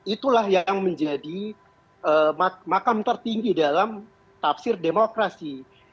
itulah yang menjadi makam tertinggi dalam tafsir demokrasi